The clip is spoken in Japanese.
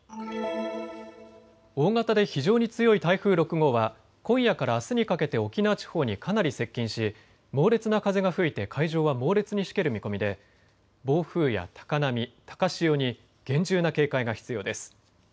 大型で非常に強い台風６号は今夜からあすにかけて沖縄地方にかなり接近し猛烈な風が吹いて海上は猛烈にしける見込みで暴風や高波、高潮に厳重な警戒が必要です。